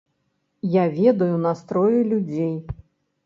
Я ведаю настроі людзей.